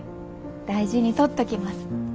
大事にとっときます。